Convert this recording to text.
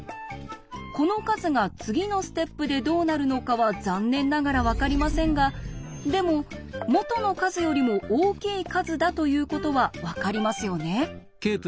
この数が次のステップでどうなるのかは残念ながら分かりませんがでも元の数よりも大きい数だということは分かりますよね。